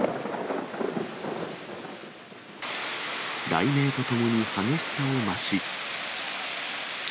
雷鳴とともに激しさを増し。